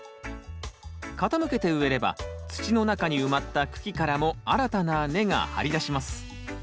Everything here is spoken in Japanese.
傾けて植えれば土の中に埋まった茎からも新たな根が張り出します。